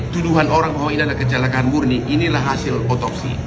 tuduhan orang bahwa ini adalah kecelakaan murni inilah hasil otopsi